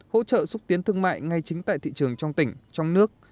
hỗ trợ xúc tiến thương mại ngay chính tại thị trường trong tỉnh trong nước